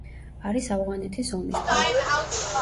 არის ავღანეთის ომის გმირი.